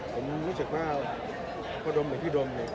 ผมรู้สึกว่าเขาดมเหมือนพี่ดม